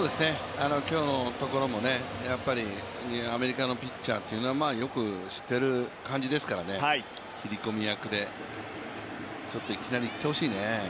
今日のところも、やっぱりアメリカのピッチャーというのはよく知ってる感じですからね斬り込み役でいきなりいってほしいね。